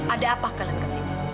ada apa kalian kesini